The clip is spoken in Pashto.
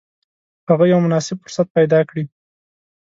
هغه یو مناسب فرصت پیدا کړي.